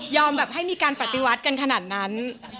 แบบให้มีการปฏิวัติกันขนาดนั้น